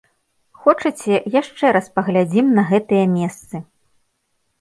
Хочаце, яшчэ раз паглядзім на гэтыя месцы!